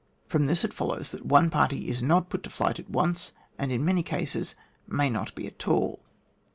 From this it follows that one party is not put to flight at once, and in many cases may not be at all.